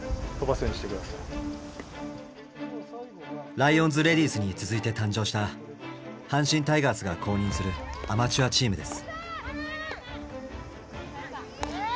ライオンズ・レディースに続いて誕生した阪神タイガースが公認するアマチュアチームです。